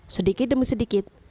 sedikit demi sedikit